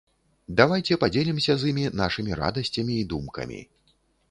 Давайце падзелімся з імі нашымі радасцямі і думкамі.